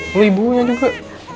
lu ibunya juga